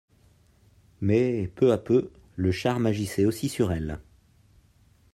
Mais, peu à peu, le charme agissait aussi sur elle.